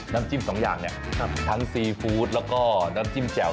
น้ำจิ้มสองอย่างเนี่ยทั้งซีฟู้ดแล้วก็น้ำจิ้มแจ่ว